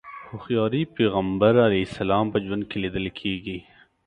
هوښياري پيغمبر علیه السلام په ژوند کې ليدل کېږي.